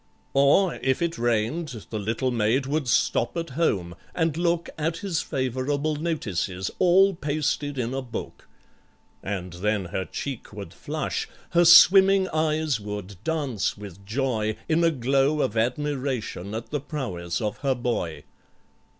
Or, if it rained, the little maid would stop at home, and look At his favourable notices, all pasted in a book, And then her cheek would flush—her swimming eyes would dance with joy In a glow of admiration at the prowess of her boy.